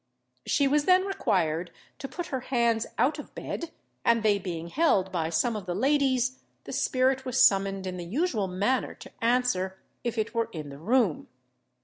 She was then required to put her hands out of bed, and they being held by some of the ladies, the spirit was summoned in the usual manner to answer, if it were in the room.